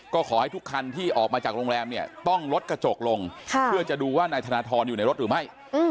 ก็ขอให้ทุกคันที่ออกมาจากโรงแรมเนี่ยต้องลดกระจกลงเพื่อจะดูว่านายธนทรอยู่ในรถหรือไม่